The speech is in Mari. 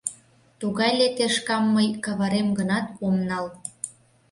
Тугай летешкам мый, каварем гынат, ом нал.